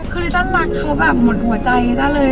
คือตันรักเขาแบบหมดหัวใจได้เลย